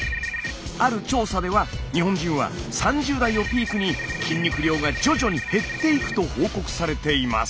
ある調査では日本人は３０代をピークに筋肉量が徐々に減っていくと報告されています。